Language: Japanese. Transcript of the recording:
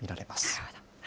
なるほど。